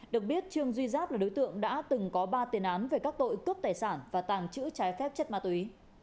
được biết trương duy giáp là đối tượng đã từng có ba tiền án về các tội cướp tài sản và tàng trữ trái phép chất ma túy